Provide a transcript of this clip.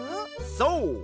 そう！